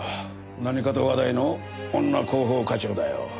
何かと話題の女広報課長だよ。